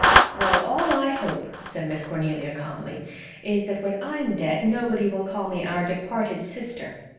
"Well, all I hope," said Miss Cornelia calmly, "is that when I'm dead nobody will call me 'our departed sister.'